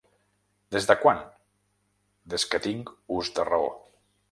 Des de quan? Des que tinc ús de raó.